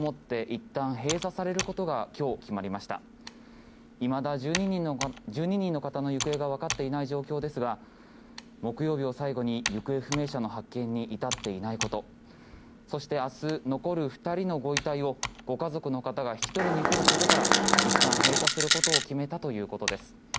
いまだ１２人の方の行方がわかっていない状況ですが木曜日を最後に行方不明者の発見に至っていないことそして明日、残る２人のご遺体をご家族の方が引き取りに来ることからいったん閉鎖することを決めたということです。